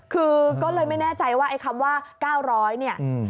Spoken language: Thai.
คือก็เลยไม่แน่ใจว่าไอ้คำว่า๙๐๐เนี่ย